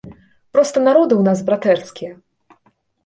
Проста народы ў нас братэрскія.